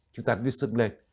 chúng ta cứ sưng lên